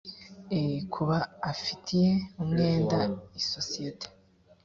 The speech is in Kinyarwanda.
ii kuba afitiye umwenda isosiyete